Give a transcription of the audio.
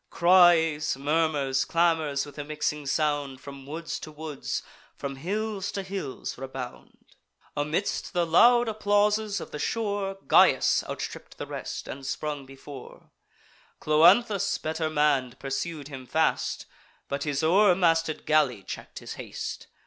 Cries, murmurs, clamours, with a mixing sound, From woods to woods, from hills to hills rebound. Amidst the loud applauses of the shore, Gyas outstripp'd the rest, and sprung before: Cloanthus, better mann'd, pursued him fast, But his o'er masted galley check'd his haste.